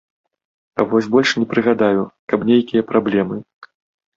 А вось больш не прыгадаю, каб нейкія праблемы.